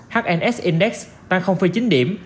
hns index tăng chín điểm